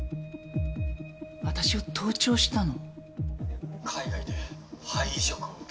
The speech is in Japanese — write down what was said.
私を盗聴したの？